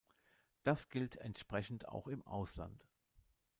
Das gilt entsprechend auch im Ausland.